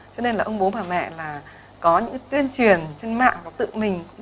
cho nên là ông bố bà mẹ là có những tuyên truyền trên mạng của tự mình